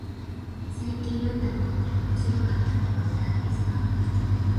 最近読んだ本で面白かったものは何ですか。